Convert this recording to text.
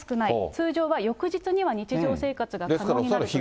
通常は翌日には日常生活が可能になると。